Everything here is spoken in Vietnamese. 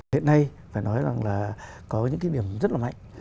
phải nói rằng là có những điểm rất là mạnh